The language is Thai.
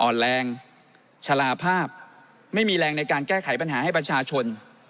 อ่อนแรงชะลาภาพไม่มีแรงในการแก้ไขปัญหาให้ประชาชน